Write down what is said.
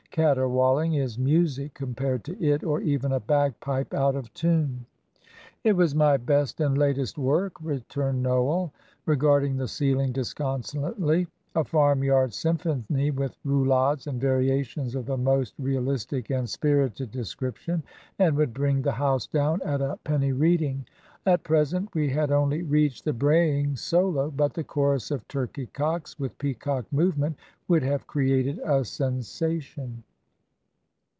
Caterwauling is music compared to it, or even a bagpipe out of tune." "It was my best and latest work," returned Noel, regarding the ceiling disconsolately. "A farmyard symphony with roulades and variations of the most realistic and spirited description, and would bring the house down at a Penny Reading. At present we had only reached the braying solo but the chorus of turkeycocks, with peacock movement, would have created a sensation."